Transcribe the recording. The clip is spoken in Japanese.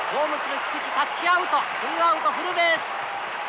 ツーアウトフルベース。